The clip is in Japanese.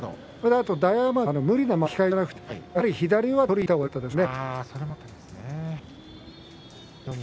あと大奄美は無理な巻き替えじゃなくてやはり左上手を取りにいったほうがよかったですね。